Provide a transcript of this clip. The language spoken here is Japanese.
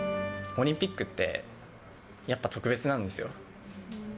オリンピックって、やっぱ特別なんですよ。